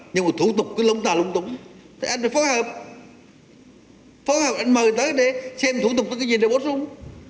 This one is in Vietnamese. nhưng mà thủ tục cứ lống tà lống tủng thế anh phải phó hợp phó hợp anh mời tới để xem thủ tục có cái gì để bổ sung